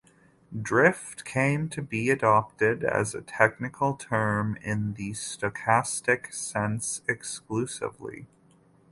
"Drift" came to be adopted as a technical term in the stochastic sense exclusively.